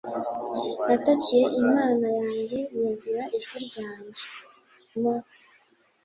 natakiye Imana yanjye Yumvira ijwi ryanjye mu